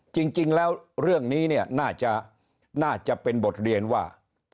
จริงแล้วเรื่องนี้เนี่ยน่าจะเป็นบทเรียนว่า